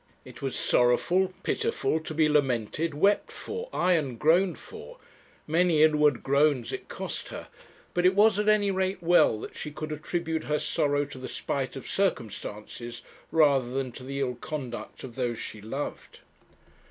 It was sorrowful, pitiful, to be lamented, wept for, aye, and groaned for; many inward groans it cost her; but it was at any rate well that she could attribute her sorrow to the spite of circumstances rather than to the ill conduct of those she loved.